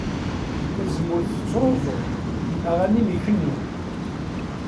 Tazemmurt tettruẓu, aɣanim ikennu.